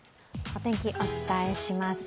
お天気、お伝えします。